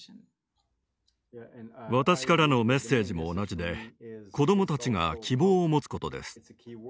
私からのメッセージも同じで子どもたちが希望を持つことです。